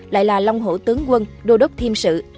lại là long hổ tướng quân đô đốc thiêm sự